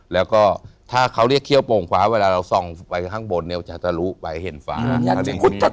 แล้วก็ถ้าเขาเรียกเขี้ยโป่งฟ้าเวลาเราส่องไปข้างบนเนี่ยจะทะลุไปเห็นฟ้า